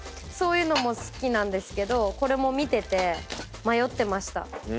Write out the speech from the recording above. そういうのも好きなんですけどこれも見てて迷ってました。